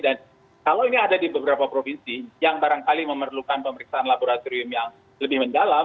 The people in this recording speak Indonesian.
dan kalau ini ada di beberapa provinsi yang barangkali memerlukan pemeriksaan laboratorium yang lebih mendalam